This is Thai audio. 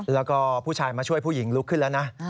แล้วก็ผู้ชายมาช่วยผู้หญิงลุกขึ้นแล้วนะ